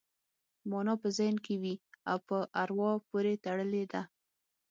مانا په ذهن کې وي او په اروا پورې تړلې ده